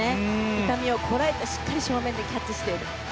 痛みをこらえて、しっかり正面でキャッチしている。